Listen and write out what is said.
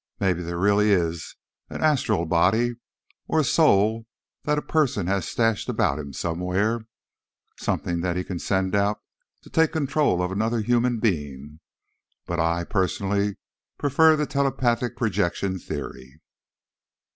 Maybe there really is an astral body or a soul that a person has stashed about him somewhere—something that he can send out to take control of another human being. But I, personally, prefer the telepathic projection theory.